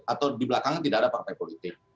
atau di belakangnya tidak ada partai politik